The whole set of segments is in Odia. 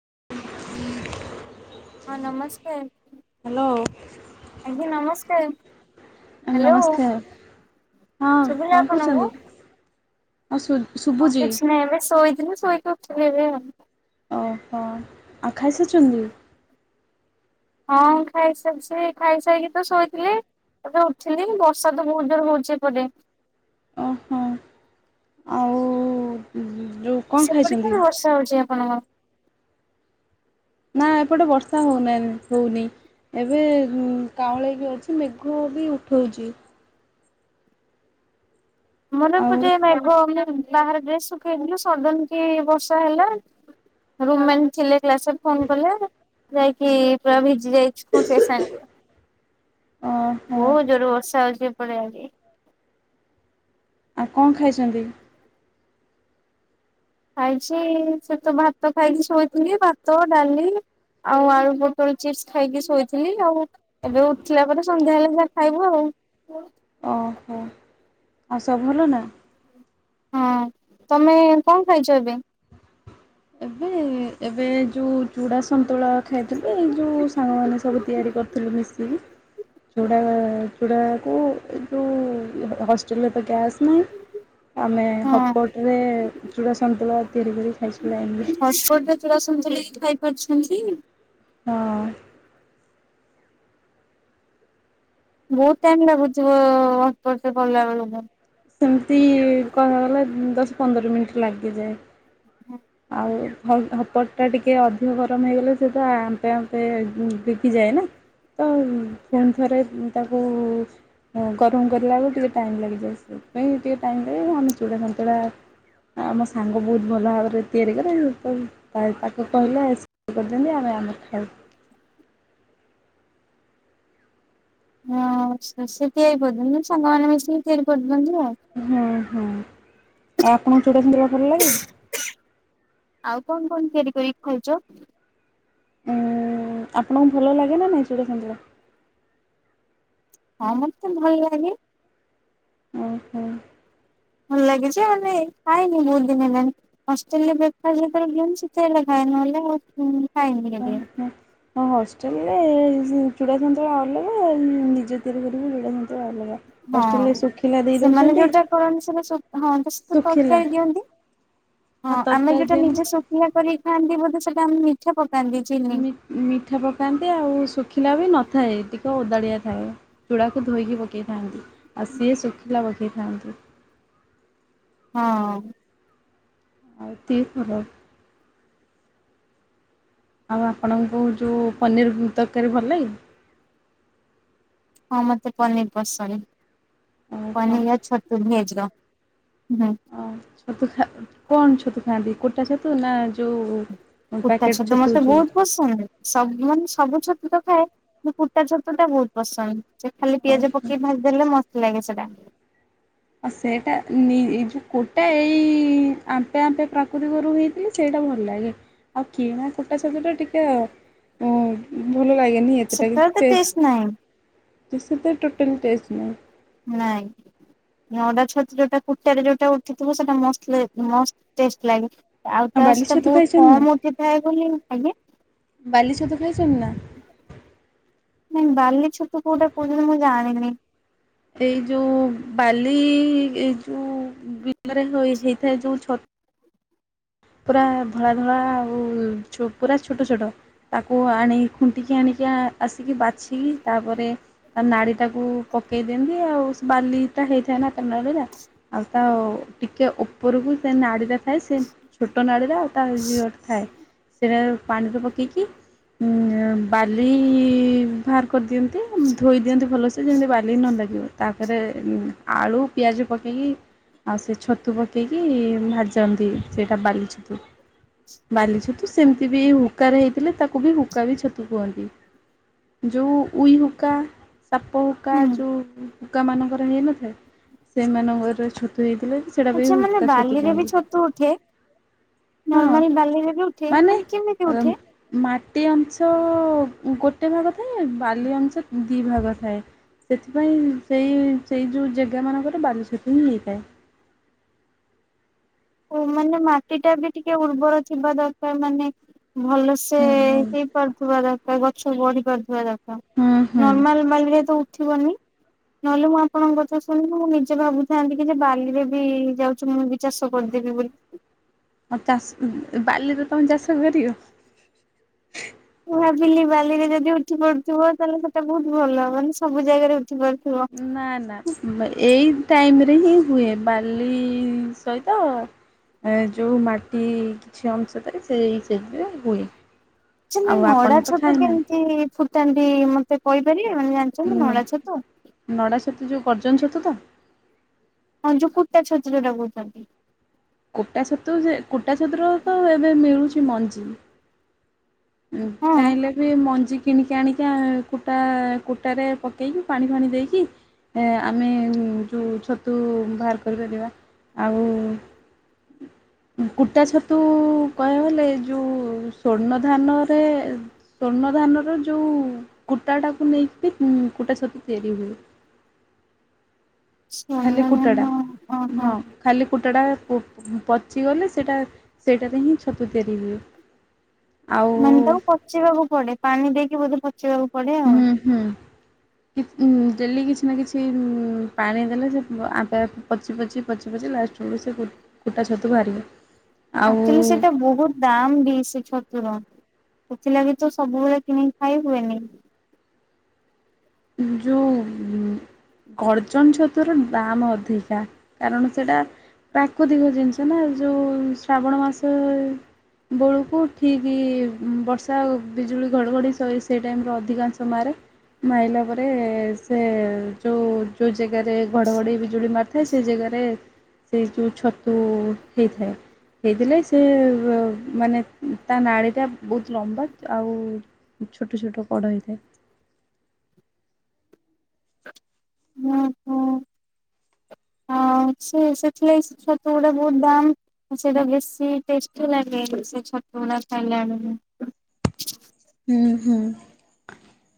ହୁ ହଁ ନମସ୍କାର ଆଜ୍ଞା ନମସ୍କାର। ହ୍ୟାଲୋ ନମସ୍କାର ହଁ କଣ ସୁବିଲ କରୁଛନ୍ତି? ଆପଣଙ୍କୁ। ଆଉ ଶୁ ହଁ ଶୁଭୁଛି କିଛି ନାହି ଏବେ ଶୋଇଥିଲିନ ଶୋଇକି ଉଠିଲି ଏବେ ଆଉ। ଅ ହଃ ଆଉ ଖାଇସାରିଛନ୍ତି। ହଁ ଖାଇସାରଛି ଖାଇସାଇକି ତ ଶୋଇଥିଲି। ଏବେ ଉଠିଲି ବର୍ଷା ତ ବହୁତ ଜୋର ହଉଛି ଏପଟେ। ଉଁ ହୁଁ। କଣ ସେପଟେ ଖାଇଛନ୍ତି? ତ ବର୍ଷା ହୋଉଚି ଆପଣଙ୍କର। ନା ଏପଟେ ବର୍ଷା ହୋଉନା ହୋଉନି। ଏବେ ଉଁ କାଉଁଳେଇକି ଅଛି ମେଘ ବି ଉଠୋଉଚି। ମନା ଆଉ କରଚେ ନବ ମୁଁ ବାହାରେ ଡ୍ରେସ୍ ଶୁଖେଇଥିଲୁ ସଡନ କି ବର୍ଷା ହେଲା। ରୁମମେଣ୍ଟ ଥିଲେ କ୍ଲାସରେ ଫୋନ କଲେ ଯାଇକି ପୁରା ଭିଜି ଯାଇଛି ଫୁଣି ସେଇ ସାଙ୍ଗ ଓହୋ ବୋହୁତ ଜୋରରେ ବର୍ଷା ହୋଉଚି। ଏପଟ ଆଡେ। ଆଉ କଣ ଖାଇଚନ୍ତି? ଖାଇଛି ସେଇଠ ତ ଭାତ ଖାଇକି ଶୋଇଥିଲି ଭାତ ଡାଲି ଆଉ ଆଳୁ ପୋଟଳ ଚିପସ୍ ଖାଇକି ଶୋଇଥିଲି ଆଉ ଏବେ ଉଠିଲା ପରେ ସନ୍ଧ୍ୟା ହେଲେ ଯହା ଖାଇବୁ ଆଉ। ହୁଁ ଓହୋ ଆଉ ସବୁ ଭଲ ନା? ହଁ ତମେ କଣ ଖାଇଚ ଏବେ? ଏ ଏବେ ଯୋଉ ଚୁଡା ସ ସନ୍ତୁଳା ଖାଇଥିଲୁ ଏଇ ଯୋଉ ସାଙ୍ଗମାନେ ସବୁ ତିଆରି କରିଥିଲେ ମିଶିକି। ଚୁଡା ଆ ଚୂଡ଼ାକୁ ଏ ଯୋଉ ହ ହଷ୍ଟେଲରେ ତ ଗ୍ୟାସ ନାହିଁ। ଆମେ ହଁ ହପଟରେ ଚୂଡ଼ା ସନ୍ତୁଳା ତିଆରି କରିକି ଖାଇଚୁ ଲାଇନରେ। ହଟସ୍ପଟରେ ଚୁଡା ସାନ୍ତୁଳିକି ଖାଇପାରୁଛନ୍ତି। ହଁ। ବୋହୁତ ଟାଇମ ଲାଗୁଥିବ ହଟପଟରେ କଲା ବେଳକୁ। ସେମତି କହିବାକୁ ଗଲେ ଦଶ ପନ୍ଦର ମିନଟି ଲାଗିଯାଏ। ଆଉ ହପ ହପଟଟା ଟିକେ ଅଧିକ ଗରମ ହେଇଗଲେ ସେଇଟା ଆମ୍ପେ ଆମ୍ପେ ଭିଗିଯାଏ ନା। ତ ଫୁଣି ଥରେ ଉଁ ତାକୁ ଉଁ ଗରମ କରିଲା ବେଳେ ଟିକେ ଟାଇମ ଲାଗିଯାଏ ସେଇଥିପାଇଁ ଟିକେ ଟାଇମ ଲାଗ ନହନେ ଚୁଡ଼ା ସନ୍ତୁଳା ଆଉ ମୋ ସାଙ୍ଗ ବୋହୁତ ଭଲ ଭାବରେ ତିଆରି କରେ ଏ ପାଏ ତାକୁ କହିଲେ ଆ ସିଏ କରିଦିଅନ୍ତି ଆମ ଆମେ ଖାଉ। ହଁ ସେ ସେ ତିଆରି [unintelligible] ମାନେ ସାଙ୍ଗମାନେ ମିଶିକି ତିଆରି କ ହଁ ହଁ ଆଉ ଆପଣଙ୍କୁ ଚୁଡା ସନ୍ତୁଳା ଭଲ ଲାଗେ? ଆଉ କଣ କଣ ତିଆରି କରିକି ଖାଉଚ? ଓ ଆପଣଙ୍କୁ ଭଲ ଲାଗେନା ନାଇଁ ଚୂଡାସନ୍ତୁଳା? ହଁ ମତେ ଭଲ ଲାଗେ। ଓହୋ। ଭଲ ଲାଗେ ଯେ ଆମେ ଖାଇନି ବୋହୁତ ଦିନ ହେଲାଣି ହଷ୍ଟେଲରେ ବ୍ରେକଫାଷ୍ଟ ଯେତେବେଳେ ଦିଅନ୍ତି ସେତେବେଳେ ଖାଏ ନହଲେ ଆଉ ଉଁ ଫାଇନ୍ [unintelligible] ଦିଅ। ଆଉ ହଷ୍ଟେଲରେ ସି ଚୁଡା ସନ୍ତୁଳା ଅଲଗା ନିଜେ ତିଆରି କରିବୁ ଚୁଡ଼ା ସନ୍ତୁଳା ଅଲଗା। ହଷ୍ଟେଲରେ ହଁ ଶୁଖି ସେମାନେ ଯୋଉଟା କରନ୍ତି ସେଟା ଶୁ ହଁ ତା ସହିତ ଶୁଖିଲା ତରକାରୀ ଦିଅନ୍ତି। ଆଉ ହଁ ଆମେ ତରକାରୀ ଯୋଉଟା ଦିଅନ୍ତି। ନିଜେ ଶୁଖିଲା କରିକି ଖାଆନ୍ତି ବୋଧେ ସେଟା ଆମେ ମିଠା ପ ମି ମିଠା ପକାନ୍ତି ଆଉ ଶୁଖିଲା ବି ନଥାଏ ଟିକେ ଓଦାଳିଆ ଥାଏ। ଚୂଡ଼ାକୁ ଧୋଇକି ପକେଇଥାନ୍ତି ଆଉ ସିଏ ଶୁଖିଲା ପକେଇଥାନ୍ତି। ହଁ। ଆଉ ଏତିକି ଫରକ। ଆଉ ଆପଣଙ୍କୁ ଯୋଉ ପନିର ଉଁ ତରକାରୀ ଭଲ ଲାଗେନି? ହଁ ମତେ ପନିର ପସନ୍ଦ ଓହୋ ପନିର ଆଉ ଛତୁ ଭେଜର। ହୁଁ। ଅ ଛତୁ ଖା କଣ ଛତୁ ଖାଆନ୍ତି କୁଟା ଛତୁ ନା ଯୋଉ କୁଟା ପ୍ୟାକେଟ ଛତୁ ମତେ ଯୋଉ ବୋହୁତ ପସନ୍ଦ। ସବୁ ମାନେ ସବୁ ଛତୁ ତ ଖାଏ ମୁଁ କୁଟା ଛତୁଟା ବୋହୁତ ପସନ୍ଦ ସେଇ ଖାଲି ପିଆଜ ଓହୋ। ପକେଇ ଭାଜଦେଲେ ମସ୍ତ ଲାଗେ ସେଟା। ଆଉ ସେଇଟା ନି ଏଇ ଯୋଉ କୋଟା ଏଇ ଆମ୍ପେ ଆମ୍ପେ ପ୍ରାକୃତି ଗରୁ ହେଇଚି ସେ ଭଲ ଲାଗେ ଆଉ କିଣା ପଟାସ ତ ଟିକେ ଅ ଭଲ ଲାଗେନି ଏତେଟା ସେଟାରେ ତ ଟେଷ୍ଟ ନାହିଁ ବି ସେଟା [unintelligible] ନାଇଁ। ନଡ଼ା ଛତୁ ଯୋଉଟା କୁଟା ରେ ଯୋଉଟା ଉଠିଥିବ ସେଟା ମସ୍ତ୍ ଲାଗେ ମସ୍ତ ଟେଷ୍ଟ ଲାଗେ। ଆଉ ବାଲି ତାସହିତ ଟା ଛତୁ ବୋହୁତ ଖାଇଛନ୍ତି କମ ଉଠିଥାଏ ବୋଲି ଆଜ୍ଞା ବାଲିଛତୁ ଖାଇଚନ୍ତି ନା? ନାଇଁ ବାଲି ଛୋଟୁ କୋଉଟା କୋହୁଛନ୍ତି ମୁଁ ଜାଣିନି। ଏଇ ଯୋଉ ବାଲି ଏଇ ଯୋଉ ବିଲରେ ହେଇଥାଏ ଯୋଉ ଛ ପୁରା ଧଳା ଧଳା ଆଉ ପୁରା ଛୋଟ ଛୋଟ ତାକୁ ଆଣି ଖୁଣ୍ଟିକି ଆଣି ଟିକି ଆସିକି ବାଛିକି ତାପରେ ନାଡ଼ିଟାକୁ ପକେଇ ଦିଅନ୍ତି ଆଉ ବାଲି ହେଇଥାଏ ନା [unintelligible] ଆଉ ତା ଟିକେ ଉପରକୁ ସେ ନାଡିଟା। ହଏ ସେ ଛୋଟ ନାଡ଼ିରେ ଆଉ ତା [unintelligible] ଥାଏ। ସେଟା ପାଣିରେ ପକେଇକି ଉ ବାଲି ବାହାର କରିଦିଅନ୍ତି ଧୋଇ ଦିଅନ୍ତି ଭଲସେ ଯେମିତି ବାଲି ନ ଲାଗିବ, ତାପରେ ଆଳୁ ପିଆଜ ପକେଇକି ଆଉ ସେ ଛତୁ ପକେଇକି ଭାଜନ୍ତି ସେ ଟା ବାଲିିଛ ବାଲି ଛତୁ ସେମିତି ବି ଏଇ ହୁକାରେ ହେଇଥିଲେ ତାକୁ ବି ହୁକା ବି ଛତୁ କୁହନ୍ତି। ଯେଉ ଉଇ ହୁଙ୍କା ସାପ ହୁକା ହୁଁ ଯୋଉ ହୁକାମାନଙ୍କର ହୋଇନଥାଏ ସେମାନଙ୍କର ଛତୁ ହେ ଆଚ୍ଛା ମାନେ ବାଲିରେ ବି ଛତୁ ଉଠେ? ହଁ ନର୍ମାଲି ବାଲିରେ ବି ଉଠେ କି କେମିତି ଉଠେ? ଗୋଟେ ଅଂଶ ଗୋଟେ ଭାଗ ଥାଏ ବାଲି ଅଂଶ ଦିଇ ଭାଗ ଥାଏ। ସେଥିପାଇଁ ସେଇ ସେଇ ଯୋଉ ଜାଗା ମାନଙ୍କରେ ବାଲି ଛତୁ ହେଇଥାଏ। [inaudible] ଓ ମାନେ ମାଟି ଟା ବି ଟିକେ ଉର୍ବର ଥିବା ଦରକାର ମାନେ ଭଲସେ ହୁଁ ହୁଁ ହେଇପାରୁଥିବା ଦରକାର ଗଛ ବଢି ପାରୁଥିବା ଦରକା ହୁଁ ହୁଁ ନର୍ମାଲ ବାଲିରେ ତ ଉଠିବନି? ନହେଲେ ମୁଁ ଆପଣଙ୍କ ଗଛ ଶୁଣିଲି ମୁଁ ନିଜେ ଭାବୁଥାନ୍ତି କି ଯେ ବାଲିରେ ବି ଯାଉଚି ମୁଁ ବି ଚାଷ କରିଦେବି ବୋଲି। ଆଉ ଚାଷ ବାଲି ତମେ ଚାଷ କରିବ? ମୁଁ ଭାବିଲି ବାଲିରେ ଯଦି ଉଠି ପଡୁଥିବ ତାହେଲେ ସେଟା ବୋହୁତ ଭଲ ମାନେ ସବୁ ଜାଗାରେ ଉ ନା ନା ଏଇ ଟାଇମ ରେ ହିଁ ହୁଏ ବାଲି ସହିତ ଯୋଉଁ ମାଟି କିଛି ଅଂଶ ଥାଏ ସେ ସେଥିରେ ହୁଏ। ସେ ଆଉ ଆପଣ ନଡା ତ ଛତୁ ଖାଇନାହାନ୍ତି କେମିତି ଫୁଟାନ୍ତି ମତେ କହିପାରି ଜାଣିଛନ୍ତି ନଳା ଛତୁ? ତ ଯେଉଁ ଗର୍ଜନ ଛତ ତ? ହଁ ଯୋଉ ପୁଟା ଛତୁ କୋଉଟା କୋହୁଚନ୍ତି। କୁଟା ଛତୁ କୁଟା ଛତୁ ତ ଏବେ ମିଳୁଚି ମଞ୍ଜି। ହଁ ଚାହିଁଲେ ବି ମଞ୍ଜି କିଣିକି ଆଣିକି କୁଟା କୁଟାରେ ପକେଇକି ପାଣି ଫାଣି ଦେଇକି ଆମେ ଯୋଉ ଛତୁ ବାହାର କରିପାରିବା ଆଉ କୁଟା ଛତୁ କହିବାକୁ ଗଲେ ଯୋଉ ସ୍ଵର୍ଣ୍ଣ ଧାନରେ ସ୍ୱର୍ଣ୍ଣ ଧାନରେ ଯୋଉ କୁଟାଟାକୁ ନେଇକି କୁଟା ଛତୁ ତିଆରି ହୁଏ। [inaudible] ଖାଲି ସ୍ଵର୍ଣ୍ଣ କୁଟାଟା ଧାନ ଓହୋ। ହଁ ଖାଲି କୁଟ ଟା ପଚିଗଲେ ସେଟା ସେଇଟାରେ ହିଁ ଛତୁ ତିଆରି ହୁଏ। ଆଉ ମାନେ ତାକୁ ପଚେଇିବାକୁ ପଡେ ପାଣି ଦେଇକି ବୋଧେ ପଚିବାକୁ ପ ହୁଁ ହୁଁ। ହୁଁ ହୁଁ ଡେଲି କିଛି ନା କିଛି ପାଣି ଦେଲେ ଯେ ଆପେ ଆପେ ପଚି ପଚି ପଚି ପଚି ଏନ୍ତୀ ଲାଷ୍ଟ ବେଳୁକୁ ସେ ଗୁ ଫୁଟା ଛତୁକୁ ଆରିବ। ଅକ୍ଚୋଲି ସେଇଟା ବହୁତ ଦାମ ବି ସେ ଛତୁର। ସେଥିଲାଗି ତ ସବୁବେଳେ କିଣିକି ଖାଇ ହୁଏନି। ଜଉ ଉଁ। ଗର୍ଜନ ଛତୁର ଦାମ ଅଧିକା କାରଣ ସେଟା ପ୍ରାକୃତିକ ଜିନିଷ ନା ଯୋଉ ଶ୍ରାବଣ ମାସ ବଳୁକୁ ଠିକ୍ ବର୍ଷା ବିଜୁଳି ଘଡ଼ଘଡ଼ି ସଏ ସେଇ ଟାଇମରେ ଅଧିକାଂଶ ମାରେ। ମାଏନା ତାପରେ ସେ ଯୋଉ ଯୋଉ ଜାଗାରେ ଘଡ଼ଘଡ଼ି ବିଜୁଳି ମାରିଥାଏ ସେ ଜାଗାରେ ସେଇ ଯୋଉ ଛତୁ ହେଇଥାଏ। ହେଇଥିଲେ ସେ ମାନେ ତା ନାଡି ଟା ବହୁତ ଲମ୍ବା ଆଉ ଛୋଟ ଛୋଟ କଢ ହେଇଥାଏ। ୱହଁ। [inaudible] ଆଉ ସେ ସେଥିଲାଗି ଛତୁ ଗୁଡା ବହୁତ ଦାମ ଆଉ ସେଟା ଭେଶୀ ଟେଷ୍ଟି ଲାଗେ [unintelligible] [unintelligible] ଖାଇଲା ବେଳକୁ ଉଁ ହୁଁ।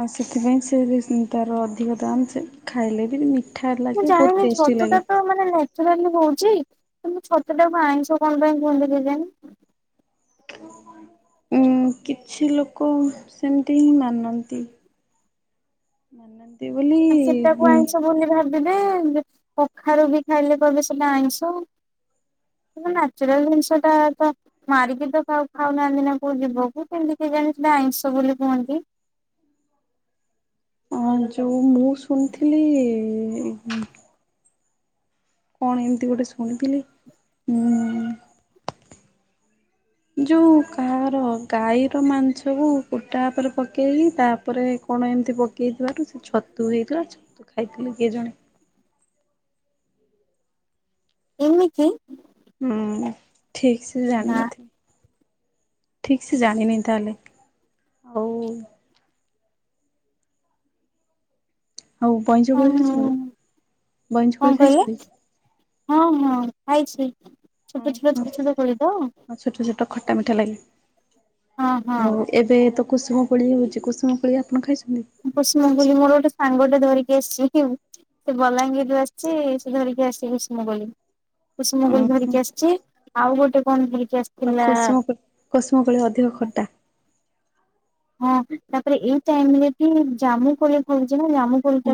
ଆଉ ସେଥିପାଇଁ ସେ ରିନସ ତାର ଅଧିକ ଦାମ ସେ ଖାଇଲେ ବି ମୁଁ ଲାଗେ ବହୁତ ଜାଣିନି ଟେଷ୍ଟି ଛତୁ ଲାଗେ। ଟା ତ ମାନେ ନ୍ୟଚୁରାଲି ହଉଚି ନାଇ ମ ଛତଟାକୁ ଆଇଁଶ କଣ ପାଇଁ କୁହନ୍ତି କେଜାଣି? ଉଁ କିଛି ଲୋକ ସେମତି ହିଁ ମାନନ୍ତି। ମାନନ୍ତି ବୋଲି ବୁ ତେବେ ବେ କଖାରୁ ବି ଖାଇଲେ କହିବେ ସେଟା ଆଇଁଷ। ଏଟା ନ୍ୟାଚୁରାଲ ଜିନିଷଟା ତ ମାରିକି ତ କାକୁ ଖାଉନାହାନ୍ତି ନା କୋଉ ଜୀବକୁ କେମତି କେ ତୁ ଜାଣିଚୁ ନା ଆଇଁଷ ବୋଲି କୁହନ୍ତି। ହୁଁ ଅ ଯୋଉ ମୁଁ ଶୁଣିଥିଲି କଣ ଏମିତି ଗୋଟେ ଶୁଣିଥିଲି ଉଁ ଯୋଉ କାହାର ଗାଈର ମାଂସ କୁ କୁଟା ଉପରେ ପକେଇକି ତାପରେ କଣ କଣ ଏମିତି ପକେଇଥିବାରୁ ସେ ଛତୁ ହେଇଥିଲା ଛତୁ ଖାଇଥିଲେ କିଏ ଜଣେ ଏମିତି ହୁଁ ଠିକ ସେ ବା ଜାଣିନଥିବି। ଠିକ ସେ ଜାଣିନି ତାହଲେ ଆଉ ହଉ ବଇଁଚକୋଳି ଖାଇଛନ୍ତି କଣ ବଇଁଚକୋଳି କହିଲେ ଖାଇଛନ୍ତି ହଁ ହଁ ଖାଇଛି ହଁ। ଛୋଟ ଛୋଟ ହଁ ଛୋଟ ଛୋଟ କୋଳି ତ ଆଉ ଛୋଟ ଛୋଟ ଖଟା ମିଠା ଲାଗିଲେ ହଁ ହଁ ଆଉ ଏବେ ତ କୁସୁମ କୋଳି ହଉଚି କୁସୁମ ପୋଳି ଆପଣ ଖାଇଚ କୁସୁମ କୋଳି ମୋର ଗୋଟେ ସାଙ୍ଗଟେ ଧରିକି ଆସିଛି [unintelligible] ସେ ବଲାଙ୍ଗୀରରୁ ଆସଚି ସେ ଧରିକି ଆସି ଗିଷ୍ମ କୋଳି। କୁସୁମ ଉଁ କୋଳୀ ହୁଁ। ଧରିକି ଆସଛି ଆଉ ଗୋଟେ କଣ ଧୀ ଆଉ କୁସୁମ କୋ କୁଷୁମ କୋଳି ଅଧିକ ଖଟା। ହଁ ତାପରେ ଏଇ ଟାଇମ ରେ ବି ଜାମୁ କୋଳି ହଉଛି।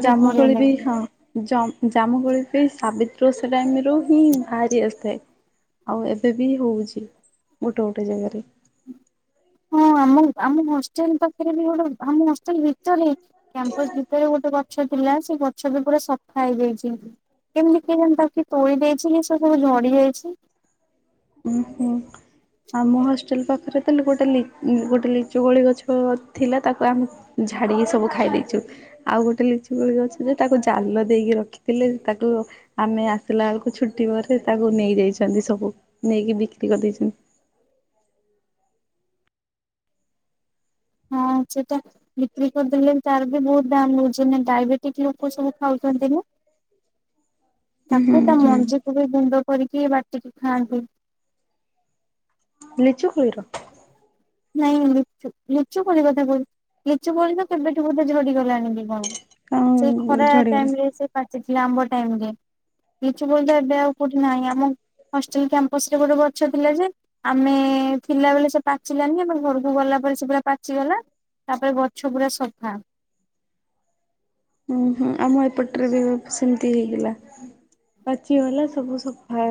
ଜାମୁ କୋଳି ବି ହଁ ଜା ଜାମୁ କୋଳି ବି ସାବିତ୍ରୀ [unintelligible] ଟାଇମ ରୁ ହିଁ ବାହାରି ଆସିଥାଏ। ଆଉ ଏବେ ବି ହଉଚି ଗୋଟେ ଗୋଟେ ଜାଗାରେ। ହଁ ଆମ ଆମ ହଷ୍ଟେଲ ପାଖରେ ବି ଗୋଟେ ଆମ ହଷ୍ଟେଲ ଭିତରେ ହିଁ। କ୍ୟାମ୍ପସ ଭିତରେ ଗୋଟେ ଗଛ ଥିଲା ସେ ଗଛଟା ପୁରା ସଫା ହେଇଯାଇଚି। କେମିତି କେଜାଣି ତାକୁ କେ ତୋଳି ଦେଇଚି କି ସେ ସବୁ ଝଡି ଯାଇଛି ଉଁ ହୁଁ। ଆମ ହଷ୍ଟେଲ ପାଖରେ ତାହଲେ ଗୋଟେ ଗୋଟେ ଲିଚୁ କୋଳି ଗଛ ଥିଲା ତାକୁ ଆମ ଝାଡ଼ିକି ସବୁ ଖାଇ ଦେଇଛୁ ଆଉ ଗୋଟେ ଲିଚୁ କୋଳି ଯେ ତାକୁ ଜାଲ ଦେଇକି ରଖିଥିଲେ ତାକୁ ଆମେ ଆସିଲା ବେଳକୁ ଛୁଟି ପରେ ତାକୁ ନେଇଯାଇଛନ୍ତି ସବୁ। ନେଇକି ବିକ୍ରି କରିଦେଇଛନ୍ତି। ହଁ ସେଟା ବିକ୍ରି କରିଦେଲେ ତାର ବି ବହୁତ ଦାମ ହଉଛି ନା ଡାଇବେଟିକ ଲୋକ ସବୁ ଖାଉଛନ୍ତି ନା? ଉଁ ହୁଁ ତାକୁ ତା ହୁଁ। ମଞ୍ଜି କୁ ବି ଗୁଣ୍ଡ କରିକି ବାଟିକି ଖାଆନ୍ତି। ଲିଚୁ କୋଳି ର? ନାଇଁ ଲିଚୁ ଲିଚୁ କୋଳି କଥା କହୁଛି ଲିଚୁ କୋଳି ତ କେବେଠୁ ବୋଧେ ଝଡିଗଲାଣି କି କଣ। ସେଇ ହଁ ଖରା ଝଡିଗଲା। ଟାଇମ ରେ ସେ ପାଚିଥିଲା ଆମ୍ବ ଟାଇମ ରେ। ଲିଚୁ କୋଳି ତ ଏବେ ଆଉ କୋଉଁଠି ନାଇଁ ଆମ ହଷ୍ଟେଲ କ୍ୟାମ୍ପସ ରେ ଗୋଟେ ଗଛ ଥିଲା ଯେ ଆମେ ଥିଲାବେଳେ ସେ ପାଚିଲାନି ଆମେ ଘରକୁ ଗଲାପ ସେ ପୁରା ପାଚିଗଲା ତାପରେ ଗଛ ପୁରା ସଫା। ଉ ହୁଁ ଆମ ଏପଟରେ ବି ସେମିତି ହେଇଗଲା। ପାଚିଗଲା ସବୁ ସଫା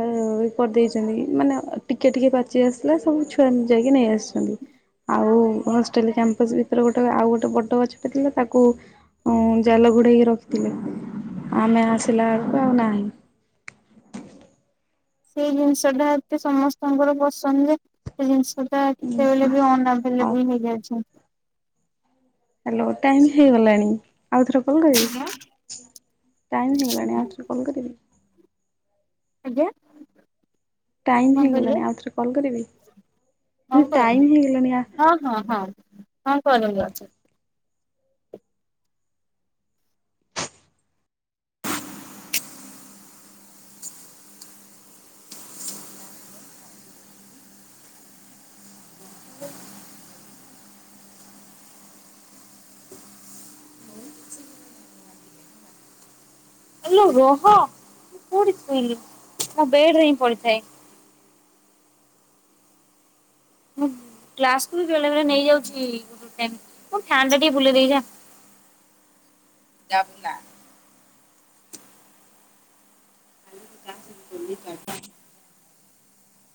କରିଦେଇଚନ୍ତି ମାନେ ଟିକେ ଟିକେ ପାଚି ଆସିଲା ସ ଛୁଆ ଯାଇକି ନେଇ ଆସିସନ୍ତି। ଆଉ ହଷ୍ଟେଲ କ୍ୟାମ୍ପସ ଭିତରେ ଗୋଟେ ଆଉ ଗୋଟେ ବଡ଼ ଗଛଟା ଥିଲା ତାକୁ ଅ ଜାଲ ଘୋଡେଇକି ରଖିଥିଲେ ଆମେ ଆସିଲା ଆଳକୁ ଆଉ ନାହିଁ। ସେଇ ଜିନିଷ ଟା ଏତେ ସମସ୍ତଙ୍କର ପସନ୍ଦ ଯେ ସେ ଜିନିଷ ତା କେତେବେଳେ ବି ଆଉ ଅନଆଭେଲେବୁଲ ହେଇଯାଉଛି। ହ୍ୟାଲୋ ଟାଇମ ହେଇଗଲାଣି। ଆଉଥରେ କଲ୍ କରି ଟାଇମ୍ ହେଇଗଲାଣି ଆଉଥରେ କଲ୍ କରିବି। ଆଜ୍ଞା। ଟାଇମ କଣ କହିଲେ? ହେଇଗଲାଣି ଆଉ ଥରେ କଲ୍ କରିବି? ହଁ [inaudible] ଟାଇମ୍ ହେଇଗଲାଣି ଆ ହଁ ହଁ ହଁ ହଁ କରନ୍ତୁ ଥରେ। ଆଲୋ ରହ ମୁଁ କୋଉଁଠି ଥୋଇଲି ମୋ ବେଡରେ ହିଁ ପଡ଼ିଥାଏ। ମୁଁ କ୍ଲାସ କୁ ବେଳେବେଳେ ନେଇଯାଉଛି ଗୋଟୋ ଟାଇମ [unintelligible] ଟିକେ ବୁଲେଇ ଦେଇକି ଯା। ଜାପୁନା। [inaudible]